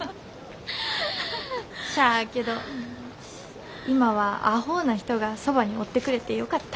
しゃあけど今はあほうな人がそばにおってくれてよかった。